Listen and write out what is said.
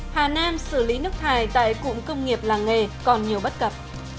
hà nam xử lý nước thải tại cụm công nghiệp làng nghề còn nhiều bất cập